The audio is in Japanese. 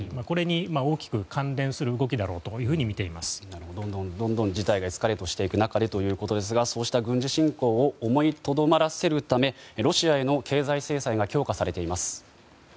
これに大きく関連する動きだろうというふうにどんどん事態がエスカレートしていく中でということですがそうした軍事侵攻を思いとどまらせるためロシアへの経済制裁が強化されています。